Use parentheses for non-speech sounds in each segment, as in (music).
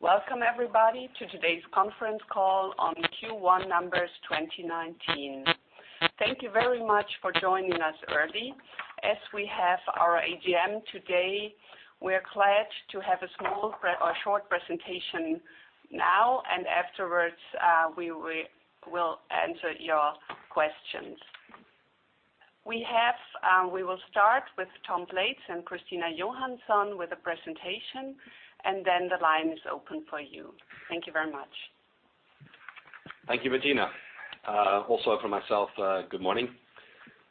Welcome, everybody, to today's conference call on Q1 numbers 2019. Thank you very much for joining us early. As we have our AGM today, we're glad to have a short presentation now. Afterwards, we will answer your questions. We will start with Tom Blades and Christina Johansson with a presentation. Then the line is open for you. Thank you very much. Thank you, Bettina. Also from myself, good morning.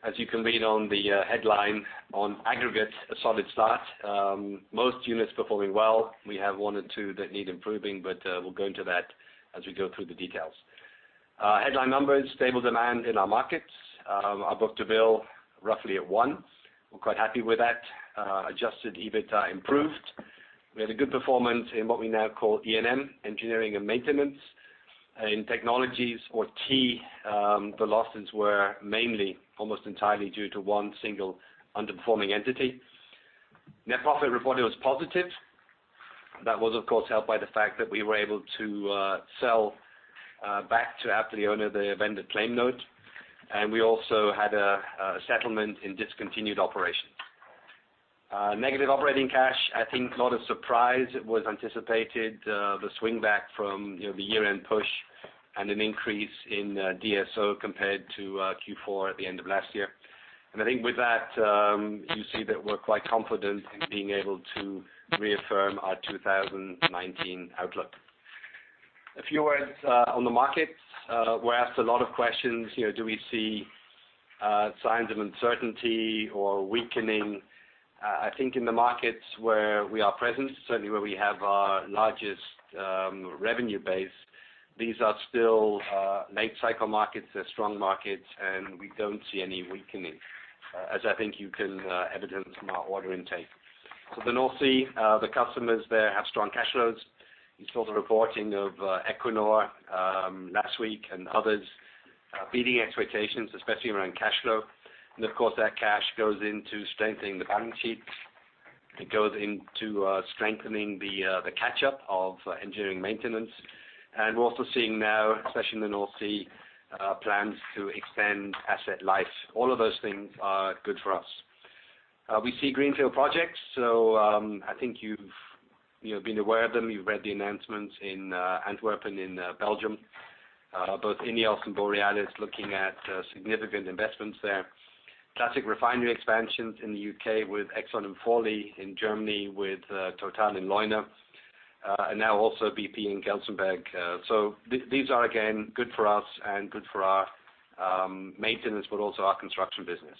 As you can read on the headline, on aggregate, a solid start. Most units performing well. We have one and two that need improving, but we'll go into that as we go through the details. Headline numbers, stable demand in our markets. Our book-to-bill, roughly at one. We're quite happy with that. Adjusted EBIT improved. We had a good performance in what we now call E&M, engineering and maintenance. In technologies or T, the losses were mainly almost entirely due to one single underperforming entity. Net profit reported was positive. That was, of course, helped by the fact that we were able to sell back to Apleona the vendor claim note. We also had a settlement in discontinued operations. Negative operating cash, I think not a surprise. It was anticipated, the swing back from the year-end push and an increase in DSO compared to Q4 at the end of last year. I think with that, you see that we're quite confident in being able to reaffirm our 2019 outlook. A few words on the markets. We're asked a lot of questions, do we see signs of uncertainty or weakening? I think in the markets where we are present, certainly where we have our largest revenue base, these are still late cycle markets. They're strong markets, and we don't see any weakening, as I think you can evidence from our order intake. The North Sea, the customers there have strong cash flows. You saw the reporting of Equinor last week and others beating expectations, especially around cash flow. Of course, that cash goes into strengthening the balance sheets. It goes into strengthening the catch-up of engineering maintenance. We're also seeing now, especially in the North Sea, plans to extend asset life. All of those things are good for us. We see greenfield projects. I think you've been aware of them, you've read the announcements in Antwerp and in Belgium. Both Ineos and Borealis looking at significant investments there. Classic refinery expansions in the U.K. with Exxon and Fawley, in Germany with Total in Leuna, and now also BP in Gelsenkirchen. These are again good for us and good for our maintenance, but also our construction business.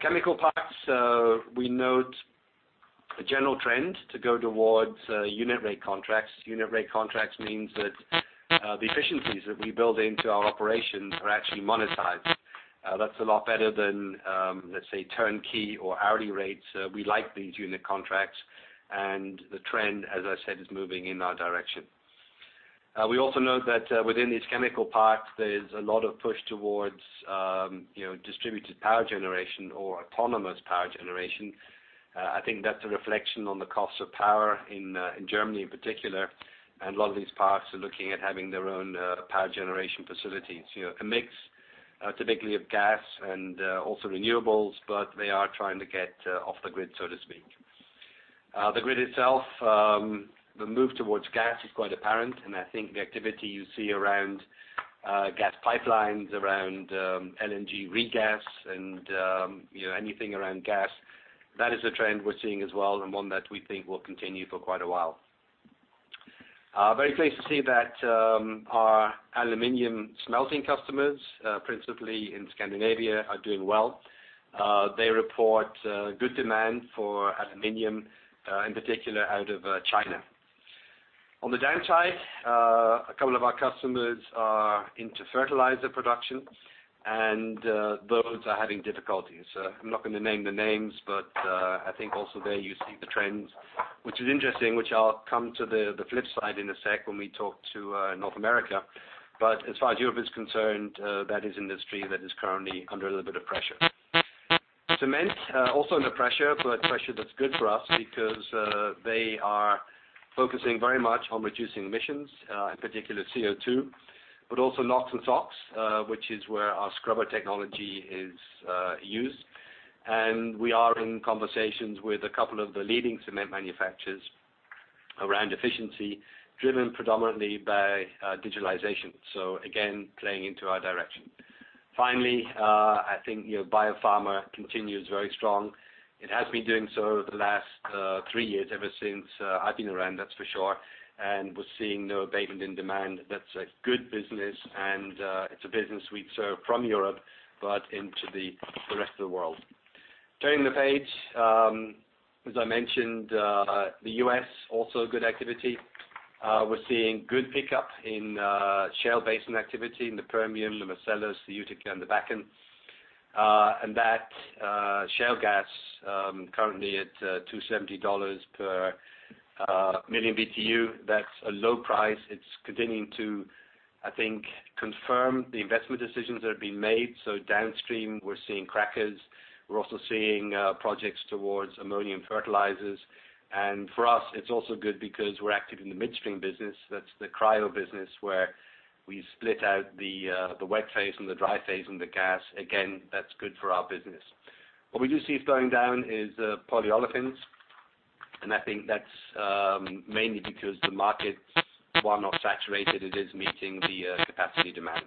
Chemical parks, we note a general trend to go towards unit rate contracts. Unit rate contracts means that the efficiencies that we build into our operations are actually monetized. That's a lot better than, let's say, turnkey or hourly rates. We like these unit contracts, and the trend, as I said, is moving in our direction. We also note that within these chemical parks, there's a lot of push towards distributed power generation or autonomous power generation. I think that's a reflection on the cost of power in Germany in particular, and a lot of these parks are looking at having their own power generation facilities. A mix, typically of gas and also renewables, but they are trying to get off the grid, so to speak. The grid itself, the move towards gas is quite apparent, and I think the activity you see around gas pipelines, around LNG regas and anything around gas, that is a trend we're seeing as well, and one that we think will continue for quite a while. Very pleased to see that our aluminum smelting customers, principally in Scandinavia, are doing well. They report good demand for aluminum, in particular out of China. On the downside, a couple of our customers are into fertilizer production, and those are having difficulties. I'm not going to name the names, but I think also there you see the trends, which is interesting, which I'll come to the flip side in a sec when we talk to North America. As far as Europe is concerned, that is industry that is currently under a little bit of pressure. Cement, also under pressure, but pressure that's good for us because they are focusing very much on reducing emissions, in particular CO2, but also NOx and SOx, which is where our scrubber technology is used. We are in conversations with a couple of the leading cement manufacturers around efficiency, driven predominantly by digitalization. Again, playing into our direction. I think biopharma continues very strong. It has been doing so the last three years, ever since I've been around, that's for sure, and we're seeing no abatement in demand. That's a good business and it's a business we serve from Europe, but into the rest of the world. Turning the page, as I mentioned, the U.S., also good activity. We're seeing good pickup in shale basin activity in the Permian, the Marcellus, the Utica, and the Bakken. That shale gas, currently at $270 per Million BTU, that's a low price. It's continuing to, I think, confirm the investment decisions that have been made. Downstream, we're seeing crackers. We're also seeing projects towards ammonium fertilizers. For us, it's also good because we're active in the midstream business. That's the cryo business, where we split out the wet phase and the dry phase and the gas. Again, that's good for our business. What we do see slowing down is polyolefins, and I think that's mainly because the markets, while not saturated, it is meeting the capacity demand.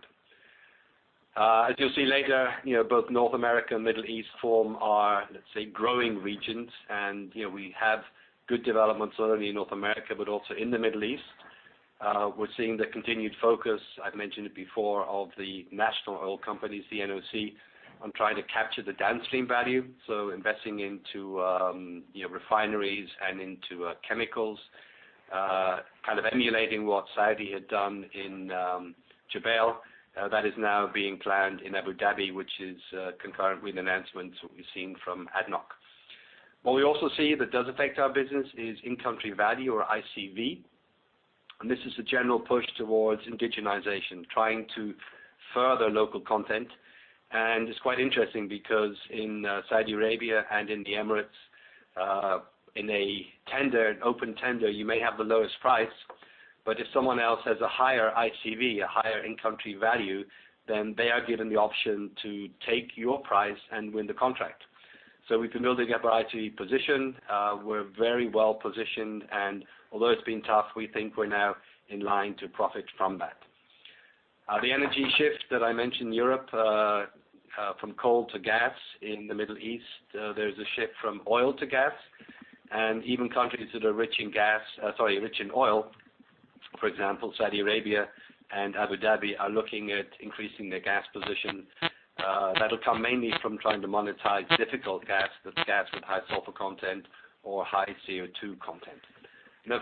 As you'll see later, both North America and Middle East form our, let's say, growing regions. We have good developments not only in North America, but also in the Middle East. We're seeing the continued focus, I've mentioned it before, of the national oil companies, the NOC, on trying to capture the downstream value. Investing into refineries and into chemicals, kind of emulating what Saudi had done in Jubail. That is now being planned in Abu Dhabi, which is concurrent with announcements we've seen from ADNOC. What we also see that does affect our business is in-country value or ICV, and this is a general push towards indigenization, trying to further local content. It's quite interesting because in Saudi Arabia and in the Emirates, in an open tender, you may have the lowest price, but if someone else has a higher ICV, a higher in-country value, then they are given the option to take your price and win the contract. We've been building up our ICV position. We're very well positioned, and although it's been tough, we think we're now in line to profit from that. The energy shift that I mentioned, Europe from coal to gas. In the Middle East, there's a shift from oil to gas, and even countries that are rich in oil, for example, Saudi Arabia and Abu Dhabi, are looking at increasing their gas position. That'll come mainly from trying to monetize difficult gas, that's gas with high sulfur content or high CO2 content.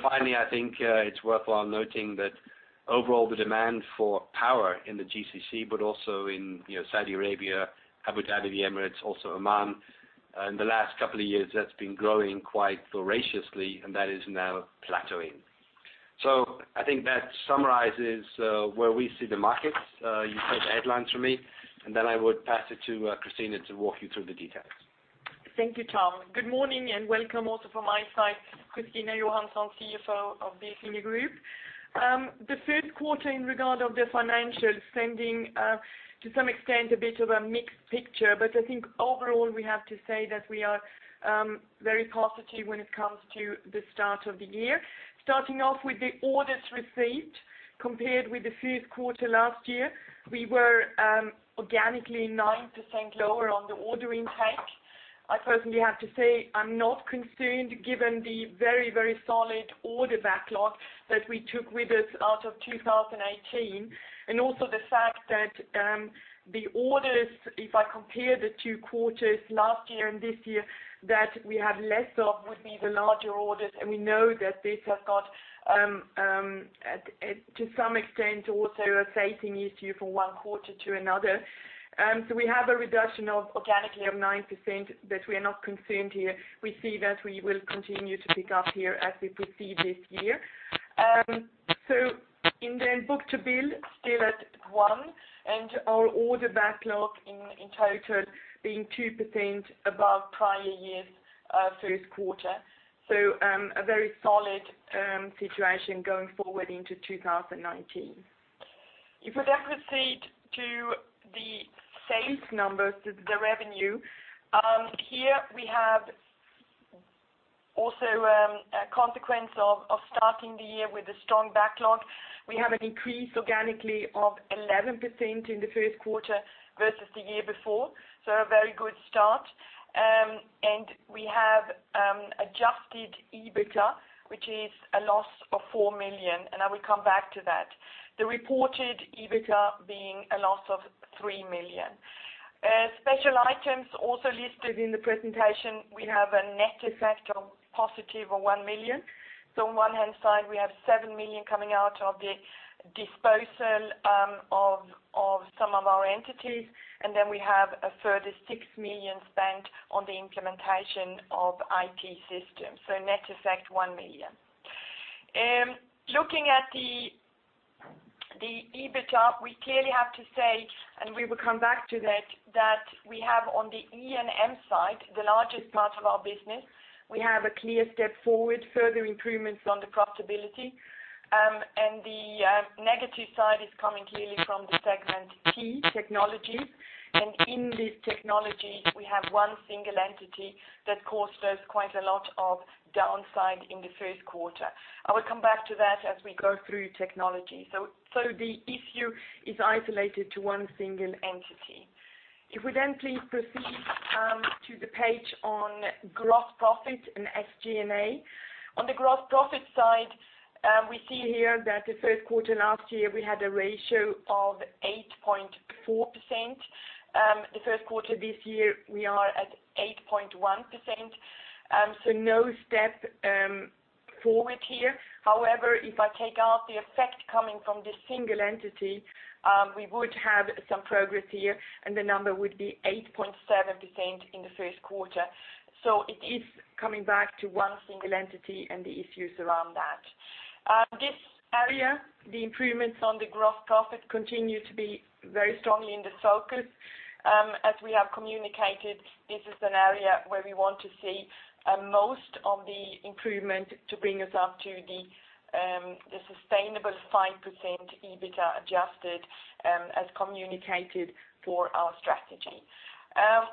Finally, I think it's worthwhile noting that overall the demand for power in the GCC, but also in Saudi Arabia, Abu Dhabi, the Emirates, also Oman, in the last couple of years, that's been growing quite voraciously, and that is now plateauing. I think that summarizes where we see the markets. You take the headlines from me, and then I would pass it to Christina to walk you through the details. Thank you, Tom. Good morning and welcome also from my side, Christina Johansson, CFO of the Bilfinger SE. The third quarter in regard of the financials sending to some extent a bit of a mixed picture, I think overall, we have to say that we are very positive when it comes to the start of the year. Starting off with the orders received, compared with the first quarter last year, we were organically 9% lower on the order intake. I personally have to say, I'm not concerned given the very solid order backlog that we took with us out of 2018, and also the fact that the orders, if I compare the two quarters last year and this year, that we have less of would be the larger orders, and we know that this has got, to some extent, also a phasing issue from one quarter to another. We have a reduction of organically of 9%, we are not concerned here. We see that we will continue to pick up here as we proceed this year. Book-to-bill, still at one, and our order backlog in total being 2% above prior year's first quarter. A very solid situation going forward into 2019. We proceed to the sales numbers, the revenue. Here we have also a consequence of starting the year with a strong backlog. We have an increase organically of 11% in the first quarter versus the year before, a very good start. We have adjusted EBITDA, which is a loss of 4 million, and I will come back to that. The reported EBITDA being a loss of 3 million. Special items also listed in the presentation, we have a net effect of positive of 1 million. On one hand side, we have 7 million coming out of the disposal of some of our entities, then we have a further 6 million spent on the implementation of IT systems. Net effect, 1 million. Looking at the EBITDA, we clearly have to say, and we will come back to that we have on the E&M side, the largest part of our business. We have a clear step forward, further improvements on the profitability. The negative side is coming clearly from the segment Technology. In this Technology, we have one single entity that caused us quite a lot of downside in the first quarter. I will come back to that as we go through Technology. The issue is isolated to one single entity. Please proceed to the page on gross profit and SG&A. On the gross profit side, we see here that the first quarter last year, we had a ratio of 8.4%. The first quarter this year, we are at 8.1%. No step forward here. However, if I take out the effect coming from this single entity, we would have some progress here, the number would be 8.7% in the first quarter. It is coming back to one single entity and the issues around that. This area, the improvements on the gross profit continue to be very strongly in the focus. As we have communicated, this is an area where we want to see most of the improvement to bring us up to the sustainable 5% EBITDA adjusted as communicated for our strategy.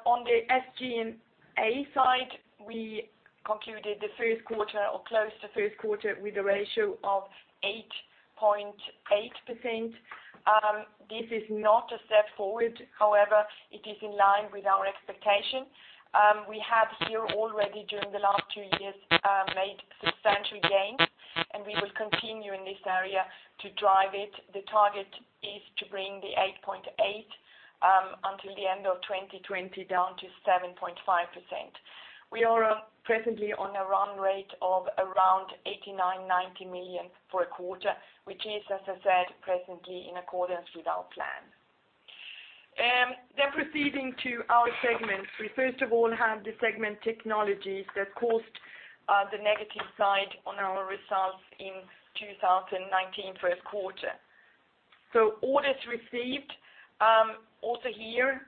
On the SG&A side, we concluded the first quarter or close to first quarter with a ratio of 8.8%. This is not a step forward, however, it is in line with our expectation. We have here already during the last two years, made substantial gains, we will continue in this area to drive it. The target is to bring the 8.8% until the end of 2020 down to 7.5%. We are presently on a run rate of around 89 million, 90 million for a quarter, which is, as I said, presently in accordance with our plan. Proceeding to our segments. We first of all have the segment Technology that caused the negative side on our results in 2019 first quarter. Orders received, also here,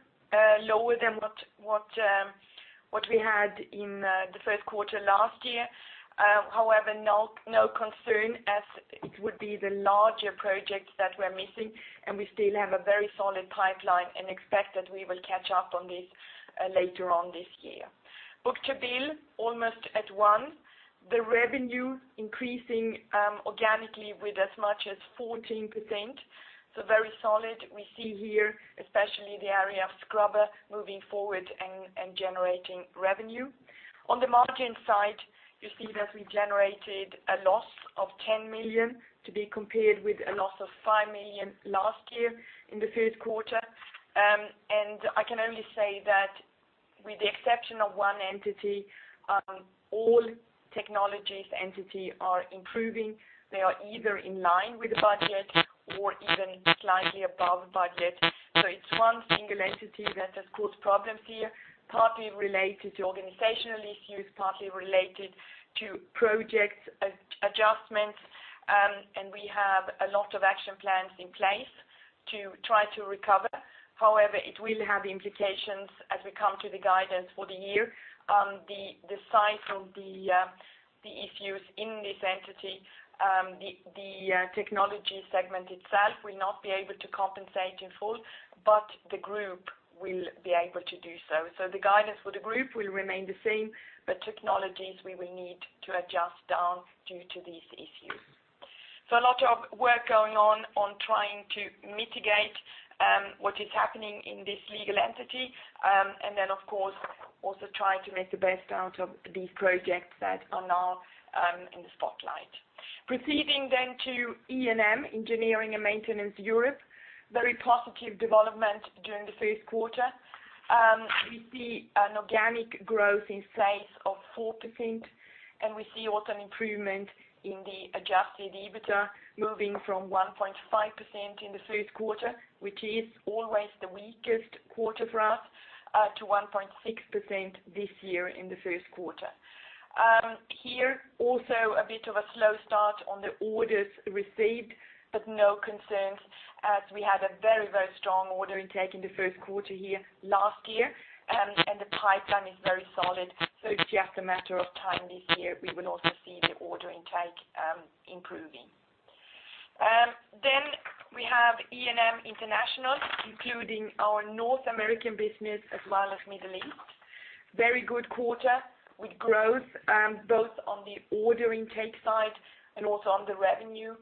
lower than what we had in the first quarter last year. However, no concern as it would be the larger projects that we are missing, we still have a very solid pipeline and expect that we will catch up on this later on this year. Book-to-bill almost at one. The revenue increasing organically with as much as 14%, very solid. We see here especially the area of scrubber moving forward and generating revenue. On the margin side, you see that we generated a loss of 10 million to be compared with a loss of 5 million last year in the first quarter. I can only say that with the exception of one entity, all Technology entities are improving. They are either in line with the budget or even slightly above budget. It is one single entity that has caused problems here, partly related to organizational issues, partly related to project adjustments. We have a lot of action plans in place to try to recover. However, it will have implications as we come to the guidance for the year. The size of the issues in this entity, the technology segment itself will not be able to compensate in full, but the group will be able to do so. The guidance for the group will remain the same, but technologies we will need to adjust down due to these issues. A lot of work going on on trying to mitigate what is happening in this legal entity. Then of course, also trying to make the best out of these projects that are now in the spotlight. Proceeding then to E&M, Engineering and Maintenance Europe. Very positive development during the first quarter. We see an organic growth in sales of 4%, we see also an improvement in the adjusted EBITDA moving from 1.5% in the first quarter, which is always the weakest quarter for us, to 1.6% this year in the first quarter. Here, also a bit of a slow start on the orders received, no concerns as we had a very, very strong order intake in the first quarter here last year. The pipeline is very solid, so it's just a matter of time this year, we will also see the order intake improving. We have E&M International, including our North American business as well as Middle East. Very good quarter with growth, both on the order intake side and also on the revenue.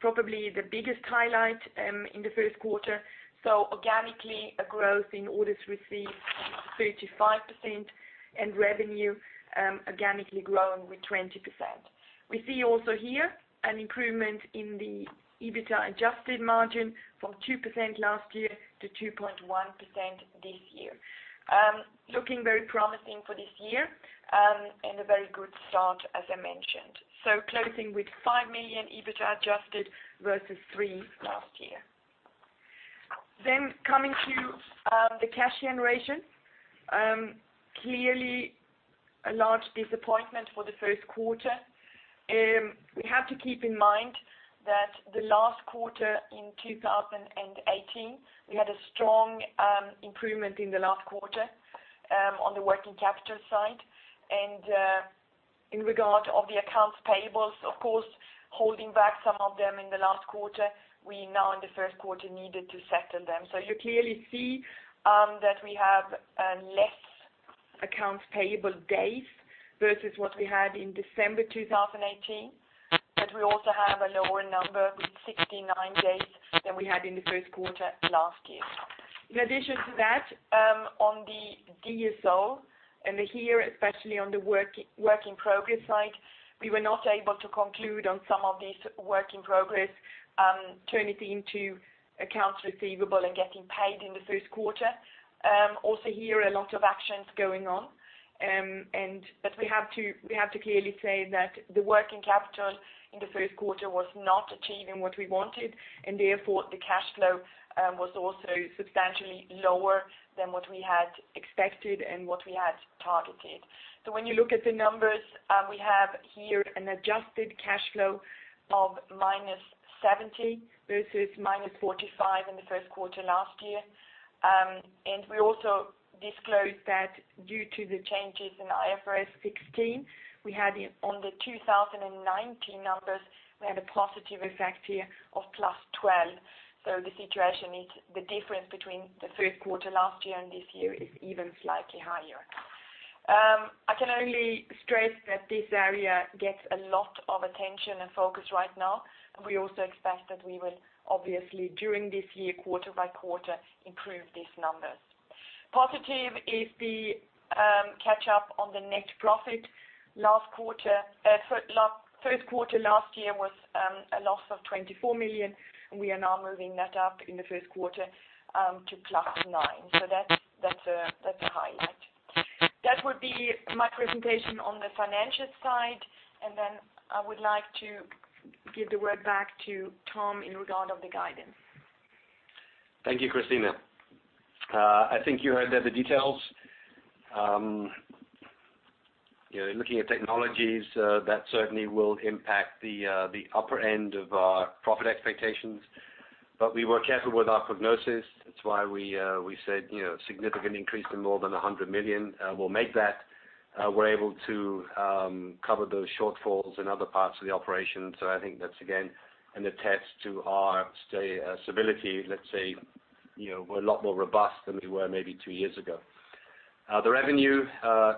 Probably the biggest highlight in the first quarter. Organically, a growth in orders received, 35%, and revenue organically growing with 20%. We see also here an improvement in the EBITDA adjusted margin from 2% last year to 2.1% this year. Looking very promising for this year, and a very good start, as I mentioned. Closing with 5 million EBITDA adjusted versus 3 million last year. Coming to the cash generation. Clearly a large disappointment for the first quarter. We have to keep in mind that the last quarter in 2018, we had a strong improvement in the last quarter on the working capital side. In regard of the accounts payables, of course, holding back some of them in the last quarter, we now in the first quarter needed to settle them. You clearly see that we have less accounts payable days versus what we had in December 2018. We also have a lower number with 69 days than we had in the first quarter last year. In addition to that, on the DSO, here especially on the work in progress side, we were not able to conclude on some of these work in progress, turn it into accounts receivable and getting paid in the first quarter. Also here, a lot of actions going on. We have to clearly say that the working capital in the first quarter was not achieving what we wanted, therefore, the cash flow was also substantially lower than what we had expected and what we had targeted. When you look at the numbers, we have here an adjusted cash flow of minus 70 million versus minus 45 million in the first quarter last year. We also disclosed that due to the changes in IFRS 16, on the 2019 numbers, we had a positive effect here of plus 12 million. The difference between the third quarter last year and this year is even slightly higher. I can only stress that this area gets a lot of attention and focus right now, and we also expect that we will obviously, during this year, quarter by quarter, improve these numbers. Positive is the catch up on the net profit. First quarter last year was a loss of 24 million, and we are now moving that up in the first quarter to +9 million. That's a highlight. That would be my presentation on the financial side, then I would like to give the word back to Tom in regard of the guidance. Thank you, Christina. I think you heard there the details. Looking at technologies, that certainly will impact the upper end of our profit expectations, we were careful with our prognosis. That's why we said significant increase to more than 100 million. We'll make that. We're able to cover those shortfalls in other parts of the operation. I think that's again, an attest to our stability, let's say, we're a lot more robust than we were maybe two years ago. The revenue,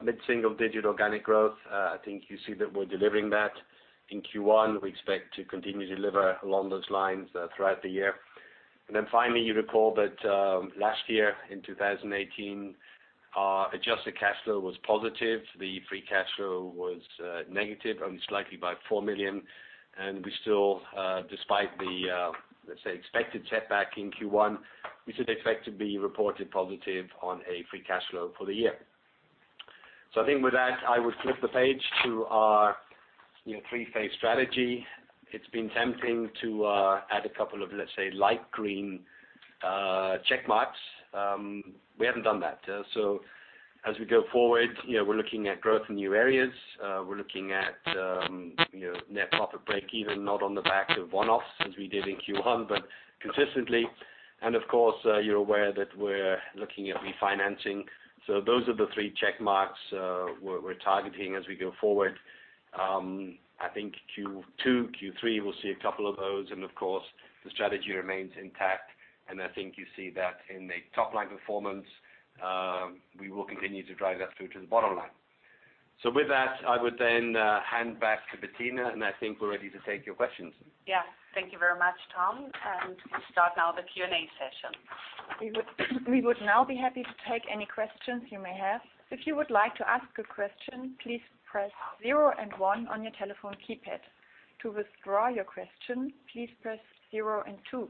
mid-single-digit organic growth. I think you see that we're delivering that in Q1. We expect to continue to deliver along those lines throughout the year. Finally, you recall that last year, in 2018, our adjusted cash flow was positive. The free cash flow was negative, only slightly, by 4 million. We still, despite the, let's say, expected setback in Q1, we should effectively be reported positive on a free cash flow for the year. I think with that, I would flip the page to our three-phase strategy. It's been tempting to add a couple of, let's say, light green check marks. We haven't done that. As we go forward, we're looking at growth in new areas. We're looking at net profit breakeven, not on the back of one-offs as we did in Q1, but consistently. Of course, you're aware that we're looking at refinancing. Those are the three check marks we're targeting as we go forward. I think Q2, Q3, we'll see a couple of those, of course, the strategy remains intact, and I think you see that in the top-line performance. We will continue to drive that through to the bottom line. With that, I would then hand back to Bettina, I think we're ready to take your questions. Yeah. Thank you very much, Tom, and we'll start now the Q&A session. We would now be happy to take any questions you may have. If you would like to ask a question, please press zero and one on your telephone keypad. To withdraw your question, please press zero and two.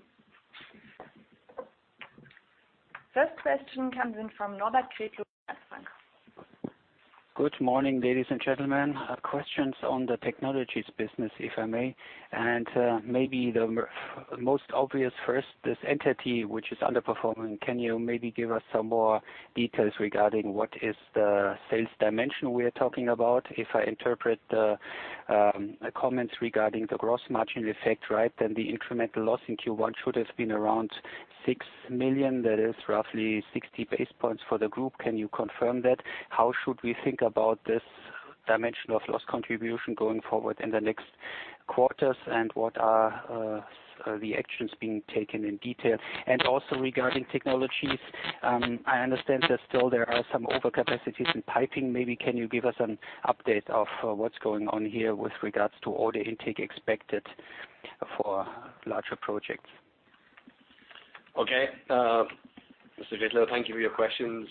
First question comes in from Norbert Kriesi. Good morning, ladies and gentlemen. Questions on the technologies business, if I may, maybe the most obvious first, this entity which is underperforming, can you maybe give us some more details regarding what is the sales dimension we are talking about? If I interpret the comments regarding the gross margin effect, the incremental loss in Q1 should have been around 6 million. That is roughly 60 basis points for the group. Can you confirm that? How should we think about this dimension of loss contribution going forward in the next quarters, what are the actions being taken in detail? Also regarding technologies, I understand that still there are some overcapacities in piping. Maybe can you give us an update of what's going on here with regards to order intake expected for larger projects? Okay. Mr. Kriesi, thank you for your questions.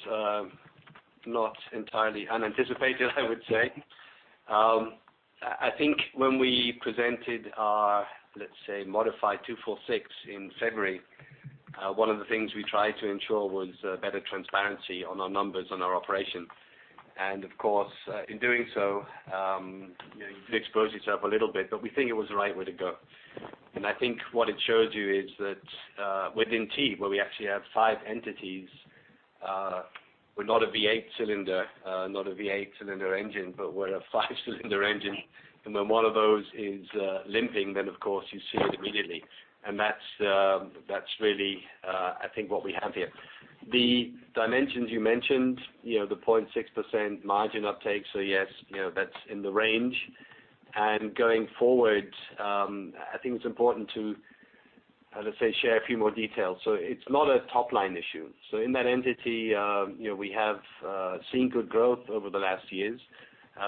Not entirely unanticipated, I would say. I think when we presented our, let's say, modified 246 in February, one of the things we tried to ensure was better transparency on our numbers, on our operations. Of course, in doing so, you did expose yourself a little bit, we think it was the right way to go. I think what it shows you is that within T, where we actually have five entities, we're not a V8 cylinder engine, but we're a five-cylinder engine. When one of those is limping, of course you see it immediately. That's really I think what we have here. The dimensions you mentioned, the 0.6% margin uptake. Yes, that's in the range. Going forward, I think it's important to, let's say, share a few more details. It's not a top-line issue. In that entity, we have seen good growth over the last years.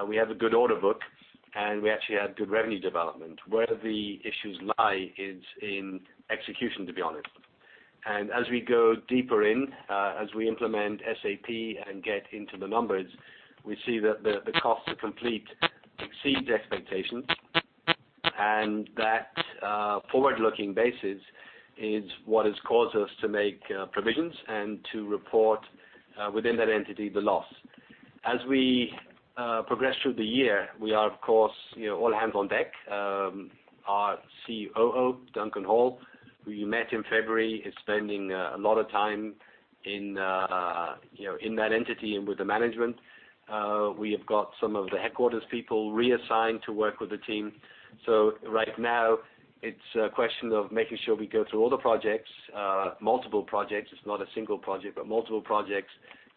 We have a good order book, and we actually had good revenue development. Where the issues lie is in execution, to be honest. As we go deeper in, as we implement SAP and get into the numbers, we see that the cost to complete exceeds expectations, and that forward-looking basis is what has caused us to make provisions and to report within that entity the loss. As we progress through the year, we are, of course, all hands on deck. Our COO, Duncan Hall, who you met in February, is spending a lot of time in that entity and with the management. We have got some of the headquarters people reassigned to work with the team. Right now, it's a question of making sure we go through all the projects, multiple projects. It's not a single project, but multiple projects,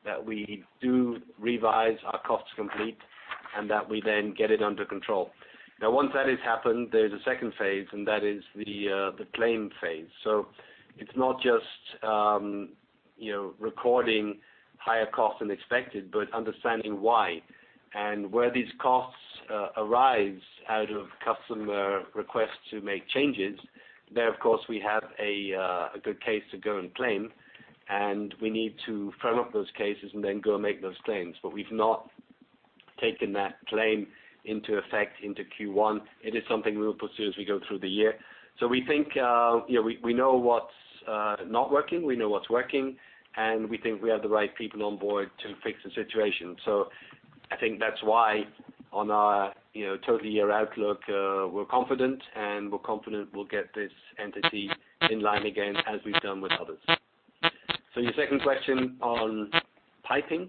that we do revise our costs to complete, and that we then get it under control. Once that has happened, there's a second phase, and that is the claim phase. It's not just recording higher cost than expected, but understanding why. Where these costs arise out of customer requests to make changes. There, of course, we have a good case to go and claim, and we need to firm up those cases and then go make those claims. We've not taken that claim into effect into Q1. It is something we will pursue as we go through the year. We think we know what's not working, we know what's working, and we think we have the right people on board to fix the situation. I think that's why on our total year outlook, we're confident, and we're confident we'll get this entity in line again as we've done with others. Your second question on piping.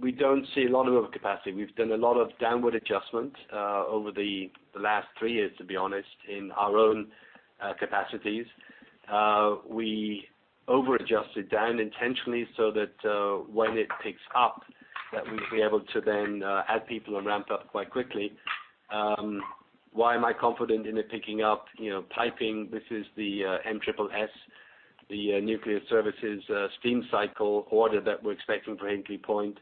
We don't see a lot of over capacity. We've done a lot of downward adjustment over the last three years, to be honest, in our own capacities. We over-adjusted down intentionally so that when it picks up, that we'll be able to then add people and ramp up quite quickly. Why am I confident in it picking up? Piping, this is the NSSS, the nuclear services steam cycle order that we're expecting for Hinkley Point.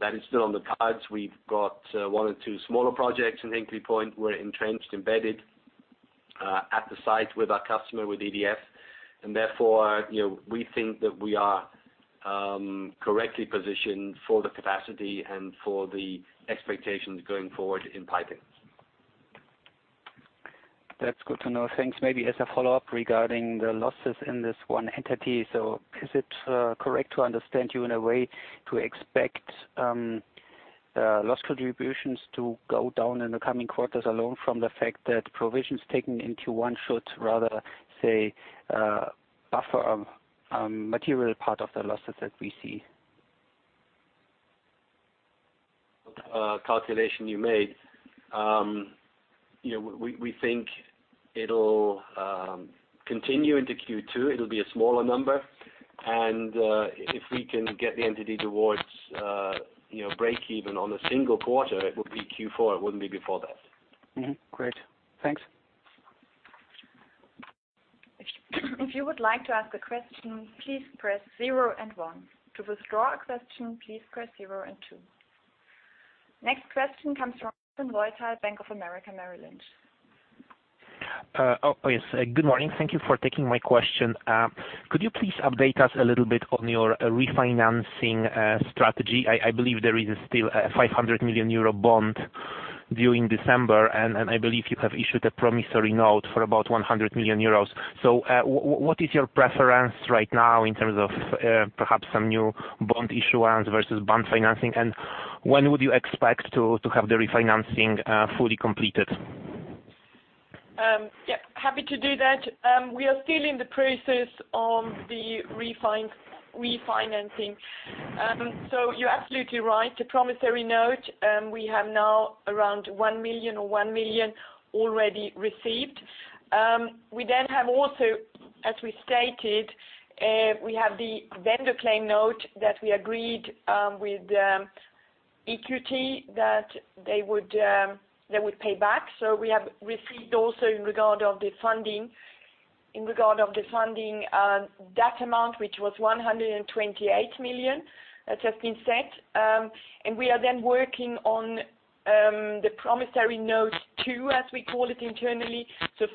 That is still on the cards. We've got one or two smaller projects in Hinkley Point. We're entrenched, embedded at the site with our customer, with EDF. Therefore, we think that we are correctly positioned for the capacity and for the expectations going forward in piping. That's good to know. Thanks. Is it correct to understand you in a way to expect loss contributions to go down in the coming quarters alone from the fact that provisions taken into one shot, rather, say, buffer a material part of the losses that we see? Calculation you made. We think it'll continue into Q2. It'll be a smaller number. If we can get the entity towards breakeven on a single quarter, it would be Q4. It wouldn't be before that. Mm-hmm. Great. Thanks. If you would like to ask a question, please press zero and one. To withdraw a question, please press zero and two. Next question comes from Leuthold, Bank of America Merrill Lynch. Oh, yes. Good morning. Thank you for taking my question. Could you please update us a little bit on your refinancing strategy? I believe there is still a 500 million euro bond due in December, and I believe you have issued a promissory note for about 100 million euros. What is your preference right now in terms of perhaps some new bond issuance versus bond financing, and when would you expect to have the refinancing fully completed? Yep, happy to do that. We are still in the process of the refinancing. You're absolutely right. The promissory note, we have now around 1 million already received. We have also, as we stated, we have the vendor claim note that we agreed with EQT that they would pay back. We have received also in regard of the funding that amount, which was 128 million, that has been set. We are working on the promissory note 2, as we call it internally.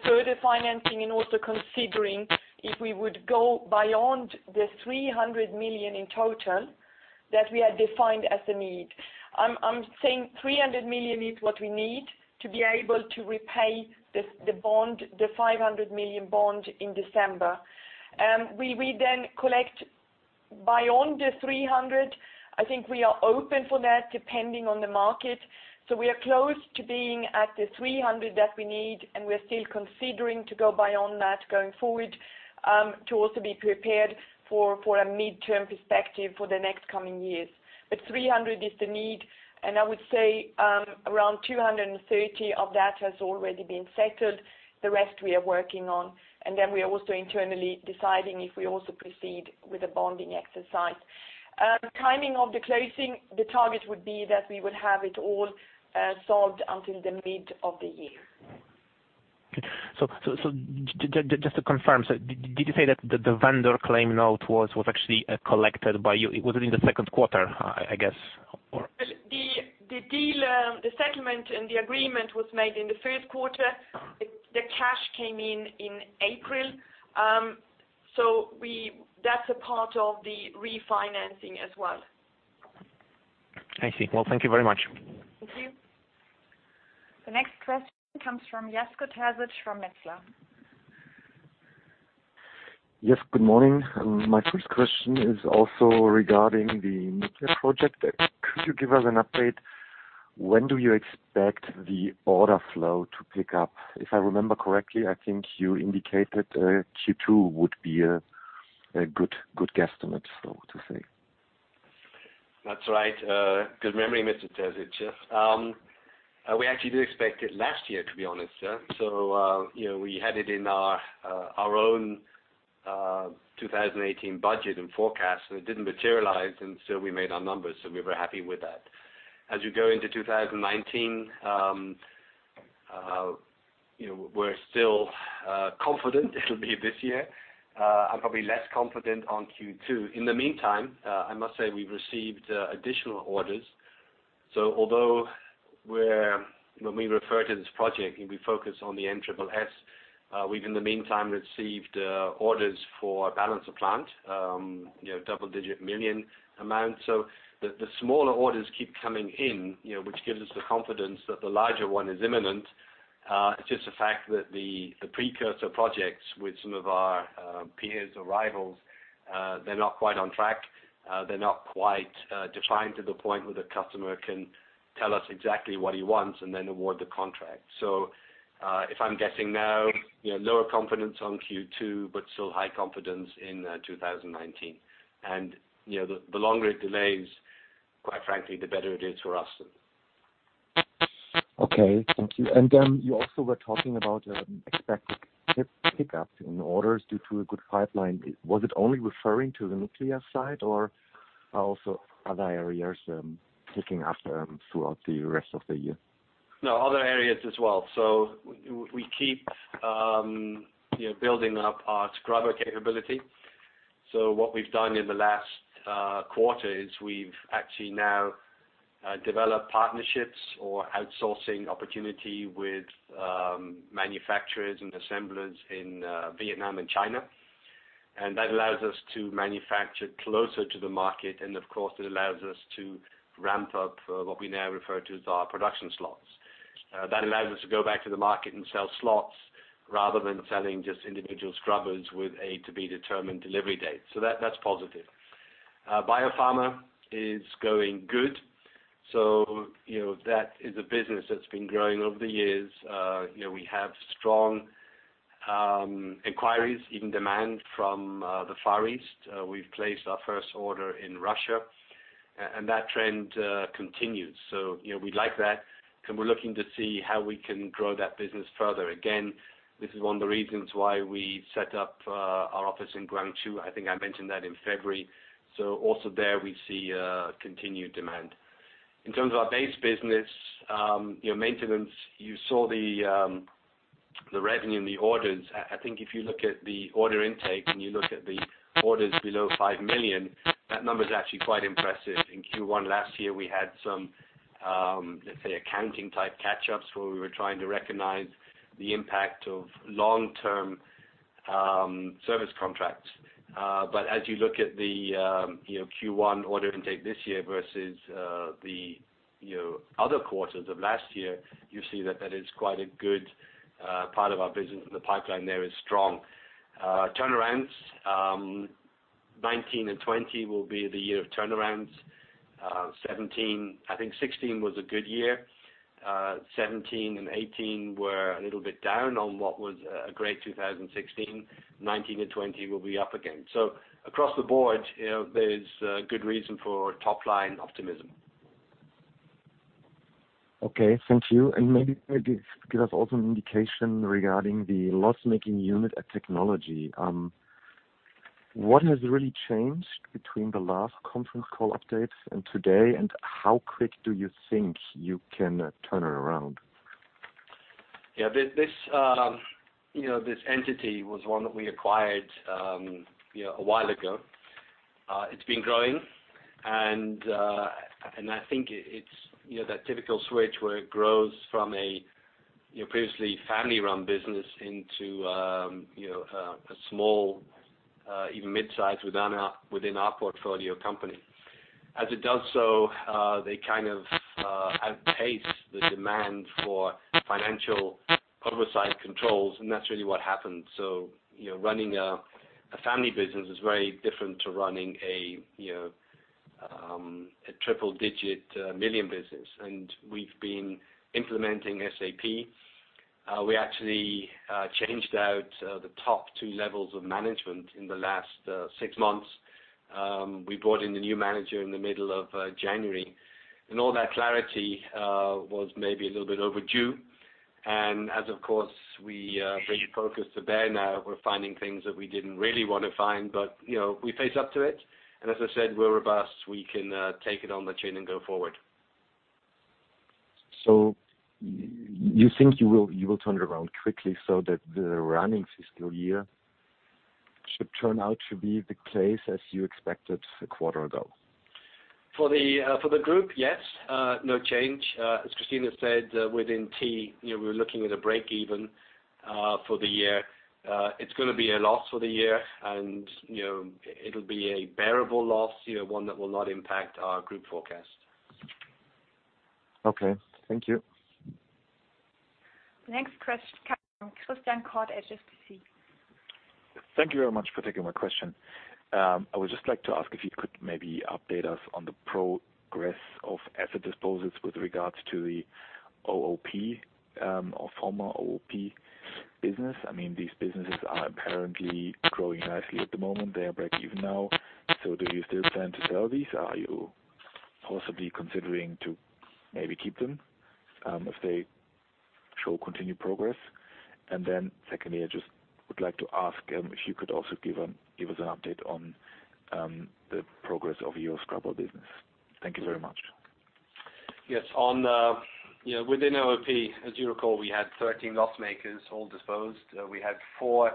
Further financing and also considering if we would go beyond the 300 million in total that we had defined as a need. I'm saying 300 million is what we need to be able to repay the 500 million bond in December. We collect beyond the 300. I think we are open for that depending on the market. We are close to being at the 300 that we need, and we're still considering to go beyond that going forward, to also be prepared for a midterm perspective for the next coming years. 300 is the need, and I would say, around 230 of that has already been settled. The rest we are working on. We are also internally deciding if we also proceed with a bonding exercise. Timing of the closing, the target would be that we would have it all solved until the mid of the year. Okay. Just to confirm, did you say that the vendor claim note was actually collected by you? Was it in the second quarter, I guess? The settlement and the agreement was made in the first quarter. The cash came in in April. That's a part of the refinancing as well. I see. Thank you very much. Thank you. The next question comes from Jasko Terzic from Metzler. Yes, good morning. My first question is also regarding the nuclear project. Could you give us an update? When do you expect the order flow to pick up? If I remember correctly, I think you indicated Q2 would be a good guesstimate, so to say. That's right. Good memory, Mr. Terzic. We actually did expect it last year, to be honest. We had it in our own 2018 budget and forecast, and it didn't materialize, and so we made our numbers, so we were happy with that. As you go into 2019, we're still confident it'll be this year. I'm probably less confident on Q2. In the meantime, I must say we've received additional orders. Although when we refer to this project, we focus on the NSSS, we've in the meantime received orders for a balance of plant, double-digit million EUR. The smaller orders keep coming in, which gives us the confidence that the larger one is imminent. It's just the fact that the precursor projects with some of our peers or rivals, they're not quite on track. They're not quite defined to the point where the customer can tell us exactly what he wants and then award the contract. If I'm guessing now, lower confidence on Q2, but still high confidence in 2019. The longer it delays, quite frankly, the better it is for us. Okay, thank you. You also were talking about expected pick-up in orders due to a good pipeline. Was it only referring to the nuclear side or also other areas picking up throughout the rest of the year? No, other areas as well. We keep building up our scrubber capability. What we've done in the last quarter is we've actually now developed partnerships or outsourcing opportunity with manufacturers and assemblers in Vietnam and China. That allows us to manufacture closer to the market, and of course, it allows us to ramp up what we now refer to as our production slots. That allows us to go back to the market and sell slots rather than selling just individual scrubbers with a to-be-determined delivery date. That's positive. Biopharma is going good. That is a business that's been growing over the years. We have strong inquiries, even demand from the Far East. We've placed our first order in Russia, and that trend continues. We like that, and we're looking to see how we can grow that business further. Again, this is one of the reasons why we set up our office in Guangzhou. I think I mentioned that in February. Also there, we see continued demand. In terms of our base business, maintenance, you saw the revenue and the orders. I think if you look at the order intake and you look at the orders below 5 million, that number is actually quite impressive. In Q1 last year, we had some, let's say, accounting-type catch-ups where we were trying to recognize the impact of long-term service contracts. As you look at the Q1 order intake this year versus the other quarters of last year, you see that that is quite a good part of our business, and the pipeline there is strong. Turnarounds, 2019 and 2020 will be the year of turnarounds. I think 2016 was a good year. 2017 and 2018 were a little bit down on what was a great 2016. 2019 and 2020 will be up again. Across the board, there's good reason for top-line optimism. Okay, thank you. Maybe give us also an indication regarding the loss-making unit at Technology. What has really changed between the last conference call updates and today, and how quick do you think you can turn it around? Yeah. This entity was one that we acquired a while ago. It's been growing, I think it's that typical switch where it grows from a previously family-run business into a small, even midsize, within our portfolio company. As it does so, they kind of outpace the demand for financial oversight controls, that's really what happened. Running a family business is very different to running a triple-digit million business. We've been implementing SAP. We actually changed out the top 2 levels of management in the last six months. We brought in the new manager in the middle of January, all that clarity was maybe a little bit overdue. As, of course, we bring focus to bear now, we're finding things that we didn't really want to find. We face up to it, as I said, we're robust. We can take it on the chin and go forward. You think you will turn it around quickly so that the running fiscal year should turn out to be the case as you expected a quarter ago? For the group, yes. No change. As Christina said, within T, we're looking at a break even for the year. It's going to be a loss for the year, it'll be a bearable loss, one that will not impact our group forecast. Okay. Thank you. Next question comes from Christian Koch, HSBC. Thank you very much for taking my question. I would just like to ask if you could maybe update us on the progress of asset disposals with regards to the OOP, or former OOP business. These businesses are apparently growing nicely at the moment. They are breakeven now. Do you still plan to sell these? Are you possibly considering to maybe keep them, if they show continued progress? Secondly, I just would like to ask if you could also give us an update on the progress of your scrubber business. Thank you very much. Yes. Within OOP, as you recall, we had 13 loss-makers, all disposed. We had four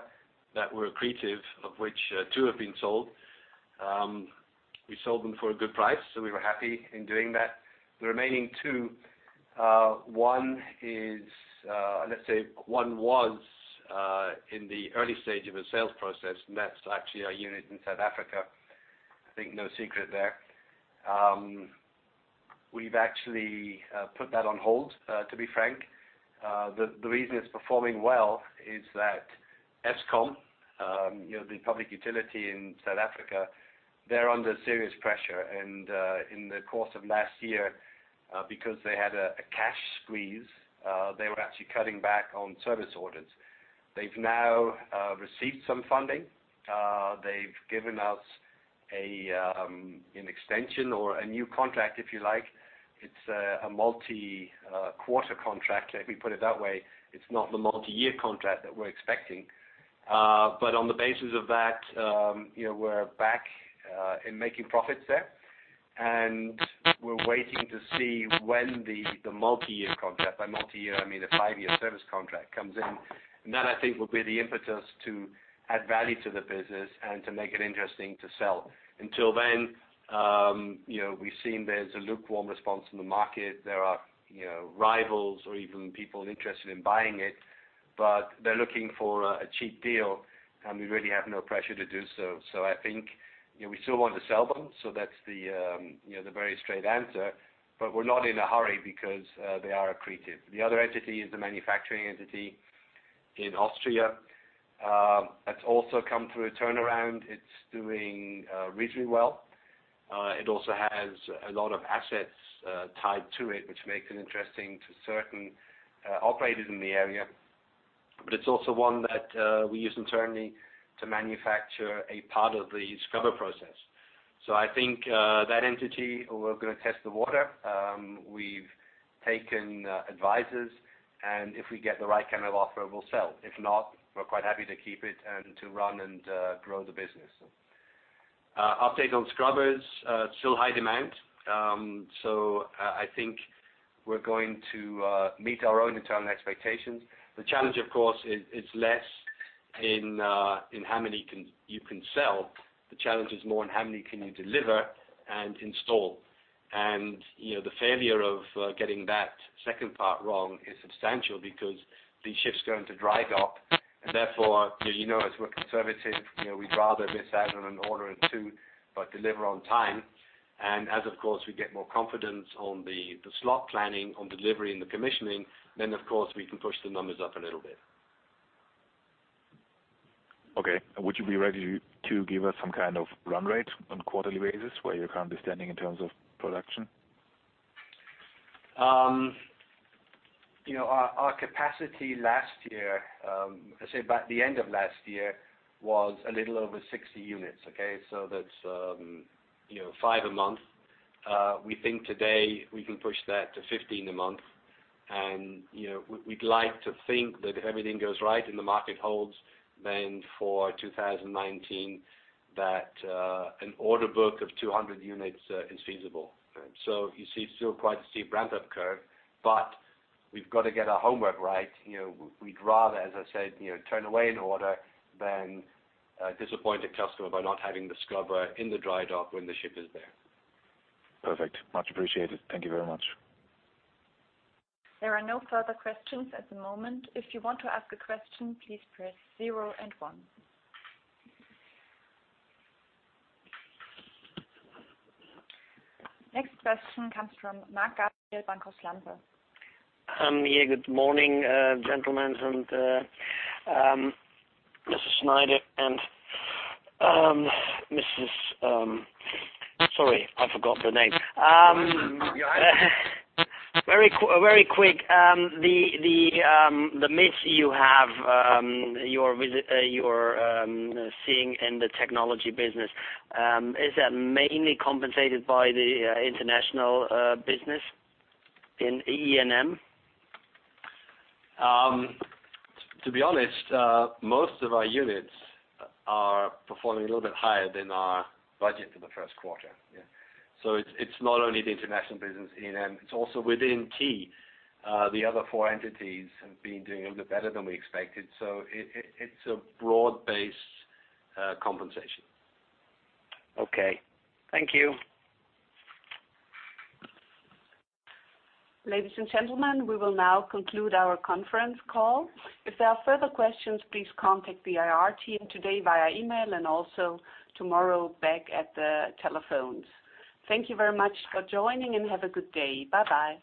that were accretive, of which two have been sold. We sold them for a good price, so we were happy in doing that. The remaining two, let's say one was in the early stage of a sales process, and that's actually our unit in South Africa. I think no secret there. We've actually put that on hold, to be frank. The reason it's performing well is that Eskom, the public utility in South Africa, they're under serious pressure. In the course of last year, because they had a cash squeeze, they were actually cutting back on service orders. They've now received some funding. They've given us an extension or a new contract, if you like. It's a multi-quarter contract, let me put it that way. It's not the multi-year contract that we're expecting. On the basis of that, we're back in making profits there. We're waiting to see when the multi-year contract, by multi-year, I mean a five-year service contract, comes in. That, I think, will be the impetus to add value to the business and to make it interesting to sell. Until then, we've seen there's a lukewarm response from the market. There are rivals or even people interested in buying it, but they're looking for a cheap deal, and we really have no pressure to do so. I think we still want to sell them. That's the very straight answer. We're not in a hurry because they are accretive. The other entity is the manufacturing entity in Austria. That's also come through a turnaround. It's doing reasonably well. It also has a lot of assets tied to it, which makes it interesting to certain operators in the area. It's also one that we use internally to manufacture a part of the scrubber process. I think that entity, we're going to test the water. We've taken advisors, and if we get the right kind of offer, we'll sell. If not, we're quite happy to keep it and to run and grow the business. Update on scrubbers, still high demand. I think we're going to meet our own internal expectations. The challenge, of course, is less in how many you can sell. The challenge is more in how many can you deliver and install. The failure of getting that second part wrong is substantial because these ships are going to dry dock and therefore, as you know, we're conservative. We'd rather miss out on an order or two, but deliver on time. As, of course, we get more confidence on the slot planning, on delivery, and the commissioning, then, of course, we can push the numbers up a little bit. Okay. Would you be ready to give us some kind of run rate on quarterly basis where you're currently standing in terms of production? Our capacity last year, let's say by the end of last year, was a little over 60 units. Okay? That's five a month. We think today we can push that to 15 a month. We'd like to think that if everything goes right and the market holds, then for 2019, that an order book of 200 units is feasible. You see it's still quite a steep ramp-up curve, but we've got to get our homework right. We'd rather, as I said, turn away an order than disappoint a customer by not having the scrubber in the dry dock when the ship is there. Perfect. Much appreciated. Thank you very much. There are no further questions at the moment. If you want to ask a question, please press zero and one. Next question comes from Marc Gabriel, Bankhaus Lampe. Yeah, good morning, gentlemen, and Mrs. Schneider, and Sorry, I forgot the name. (audio distortion) Very quick. The mix you have, you're seeing in the technology business, is that mainly compensated by the international business in E&M? To be honest, most of our units are performing a little bit higher than our budget for the first quarter. Yeah. It's not only the international business, E&M, it's also within key. The other four entities have been doing a little better than we expected. It's a broad-based compensation. Okay. Thank you. Ladies and gentlemen, we will now conclude our conference call. If there are further questions, please contact the IR team today via email and also tomorrow back at the telephones. Thank you very much for joining, and have a good day. Bye-bye.